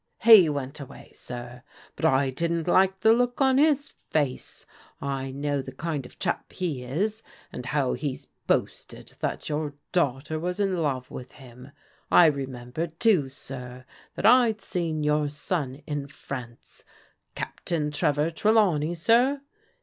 " He went away, sir, but I didn't like the look on his face. I know the kind of chap he is, and how he's boasted that your daughter was in love with him. I re membered, too, sir, that I'd seen your son in France, Captain Trevor Trelawney, sir?